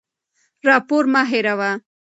راپور مه هېروه.